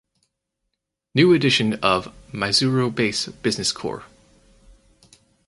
New edition of Maizuru Base Business Corps.